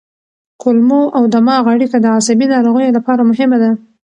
کولمو او دماغ اړیکه د عصبي ناروغیو لپاره مهمه ده.